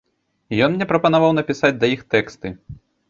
Ён мне прапанаваў напісаць да іх тэксты.